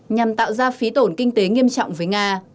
nhằm tạo ra phí tổn kinh tế nghiêm trọng với nga